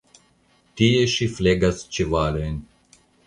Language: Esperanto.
Tie ŝi flegas ĉevalojn.